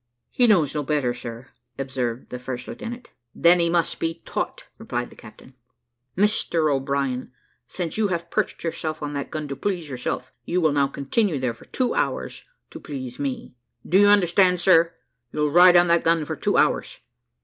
`He knows no better, sir,' observed the first lieutenant. `Then he must be taught,' replied the captain. `Mr O'Brien, since you have perched yourself on that gun to please yourself, you will now continue there for two hours to please me. Do you understand, sir? you'll ride on that gun for two hours.'